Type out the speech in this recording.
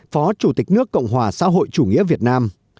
phó chủ tịch nước cộng hòa xã hội chủ nghĩa việt nam